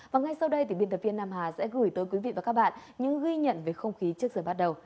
và ngay sau đây biên tập viên nam hà sẽ gửi tới quý vị và các bạn những ghi nhận về không khí trước giờ bắt đầu